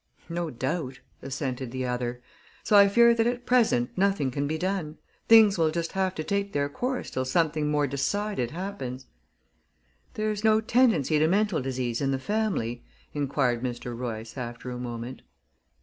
"No doubt," assented the other. "So I fear that at present nothing can be done things will just have to take their course till something more decided happens." "There's no tendency to mental disease in the family?" inquired Mr. Royce, after a moment.